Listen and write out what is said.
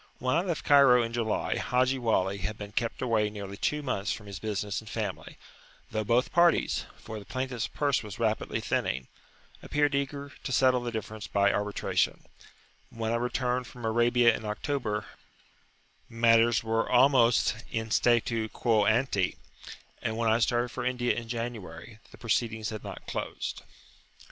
When I left Cairo in July, Haji Wali had been kept away nearly two months from his business and family, though both parties for the plaintiff's purse was rapidly thinning appeared eager to settle the difference by arbitration: when I returned from Arabia in October, matters were almost in statu quo ante, and when I started for India in January, the proceedings had not closed.